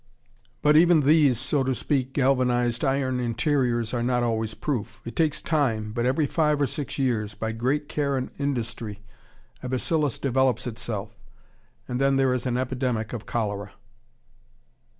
But even these, so to speak, galvanized iron interiors are not always proof. It takes time, but every five or six years, by great care and industry, a bacillus develops itself ... and then there is an epidemic of cholera.